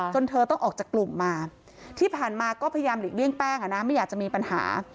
เธอต้องออกจากกลุ่มมาที่ผ่านมาก็พยายามหลีกเลี่ยงแป้งอ่ะนะไม่อยากจะมีปัญหา